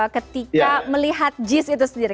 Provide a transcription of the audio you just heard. ketika melihat jis itu sendiri